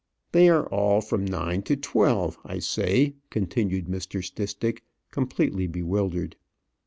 "They are all from nine to twelve, I say," continued Mr. Stistick, completely bewildered.